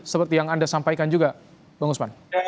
seperti yang anda sampaikan juga bang usman